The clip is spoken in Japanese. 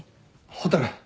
蛍。